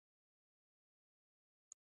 ښتې د افغانستان د اجتماعي جوړښت برخه ده.